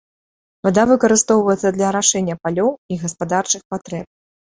Вада выкарыстоўваецца для арашэння палёў і гаспадарчых патрэб.